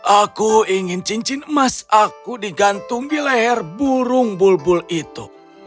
aku ingin cincin emas aku digantung di leher burung bulbul itu